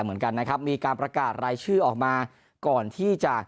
เหมือนกันนะครับมีการประกาศรายชื่อออกมาก่อนที่จะ